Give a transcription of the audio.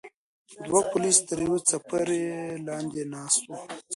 دوه پولیس تر یوې څپرې لاندې ناست وو.